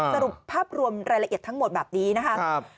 สรุปภาพรวมรายละเอียดทั้งหมดแบบนี้นะครับ